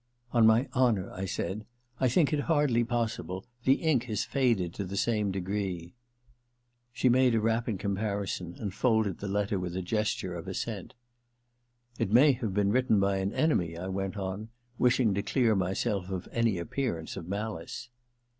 ^* On my honour,' I said, ^ I think it hardly possible. The ink has faded to the same degree.* She made a rapid comparison and folded the letter with a gesture of assent. * It may have been written by an enemy,* I went on, wishing to clear myself of any appear ance of malice.